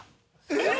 えっ！